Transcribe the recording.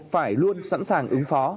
phải luôn sẵn sàng ứng phó